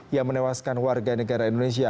yang menewaskan warga negara indonesia